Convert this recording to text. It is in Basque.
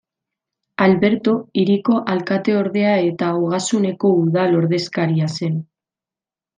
Alberto, hiriko alkateordea eta Ogasuneko udal-ordezkaria zen.